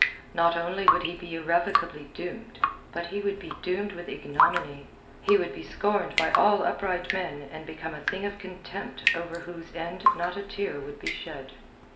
Not only would he be irrevocably doomed, but he would be doomed with ignominy, he would be scorned by all upright men and become a thing of contempt over whose end not a tear would be shed.